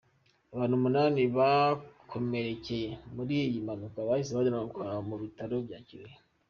Abantu umunani bakomerekeye muri iyi mpanuka bahise bajyanwa ku bitaro bya Kirehe .